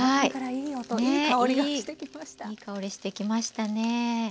いい香りしてきましたね。